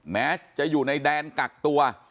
แม้จะอยู่ในแดนกักตัว